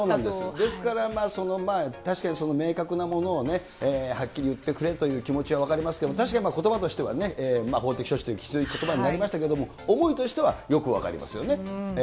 ですから、そのまあ、確かにその明確なものをね、はっきり言ってくれという気持ちは分かりますけども、確かにことばとしてはね、法的措置というきついことばになりましたけれども、思いとしてはよく分かりますよね。